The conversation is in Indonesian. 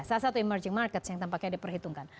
salah satu emerging markets yang tampaknya diperhitungkan